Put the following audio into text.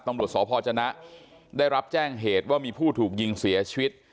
ตำรวจสพจนะได้รับแจ้งเหตุว่ามีผู้ถูกยิงเสียชีวิต